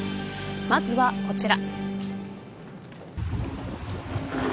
まずはこちら。